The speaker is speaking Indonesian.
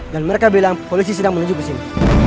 dan mereka bilang polisi sedang menuju ke sini